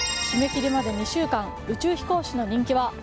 締め切りまで２週間宇宙飛行士の人気は？